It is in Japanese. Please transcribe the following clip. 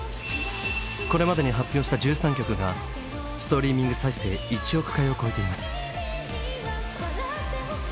これまでに発表した１３曲がストリーミング再生１億回を超えています。